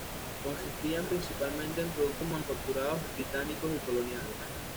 Consistían principalmente en productos manufacturados británicos y coloniales.